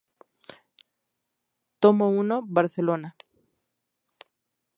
Tomo I. Barcelona.